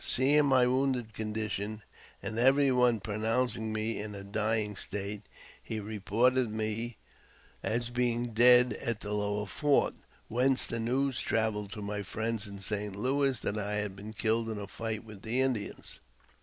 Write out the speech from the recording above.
Seeing my wounded con dition, and every one pronouncing me in a dying state, he re ported me as being dead at the lower fort, whence the news travelled to my friends in St. Louis that I had been killed in a fight with the Indians.